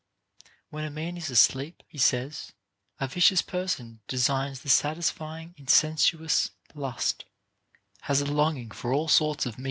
When a man is asleep, he says, a vicious person designs the satisfy ing incestuous lust, has a longing for all sorts of meat in * Odyss.